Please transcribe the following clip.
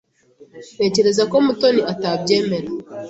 Ntekereza ko Mutoni atabyemera.